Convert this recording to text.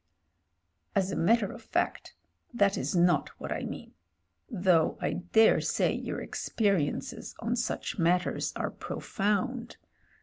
"As a matter of fact that is not what I mean — though I daresay your experiences on such matters are profound."